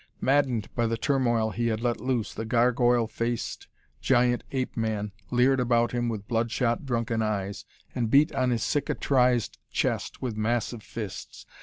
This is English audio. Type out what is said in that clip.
Maddened by the turmoil he had let loose, the gargoyle faced giant ape man leered about him with blood shot, drunken eyes, and beat on his cicatrized chest with massive fists.